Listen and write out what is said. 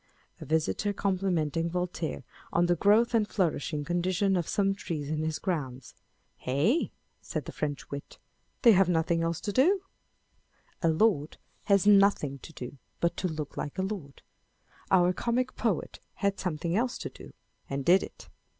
A visitor complimenting Voltaire on the growth and flourishing condition of some trees in his grounds, " Ay," said the French wit, " they have nothing else to do I" A lord has / 29$ On the Look of a Gentleman. nothing to do but to look like a lord : our comic poet had something else to do, and did it